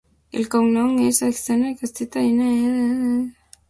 El cognom és Aznarez: a, zeta, ena, a, erra, e, zeta.